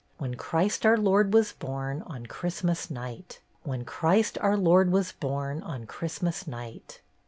When Christ our Lord was born On Christmas night. When Christ our Lord was born On Christmas night.